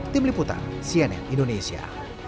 tim liputan cnn indonesia